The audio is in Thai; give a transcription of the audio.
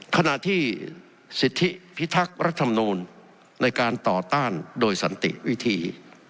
ขณะที่สิทธิพิทักษ์รัฐมนูลในการต่อต้านโดยสันติวิธี